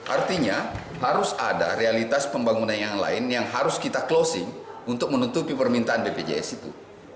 artinya harus ada realitas pembangunan yang lain yang harus kita closing untuk menutupi permintaan bpjs itu